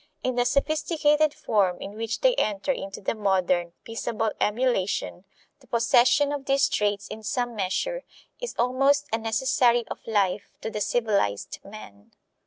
In the sophisticated form in which they enter into the modern, peaceable emulation, the possession of these traits in some measure is almost a necessary of life to the civilized man.